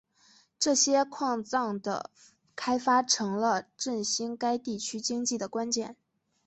这些矿藏的开发成了振兴该地区经济的关键。